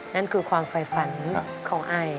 นั่นคือความไฟฝันของไอ